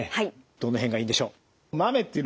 どの辺がいいんでしょう？